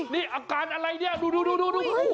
นี่อาการอะไรเนี่ยดู